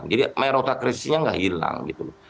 jadi merotakrisisnya nggak hilang gitu loh